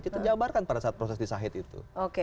kita jabarkan pada saat proses disahid itu